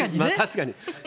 確かに。